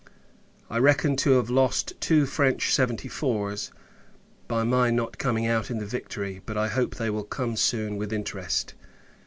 I reckon to have lost two French seventy fours, by my not coming out in the Victory; but I hope they will come soon, with interest.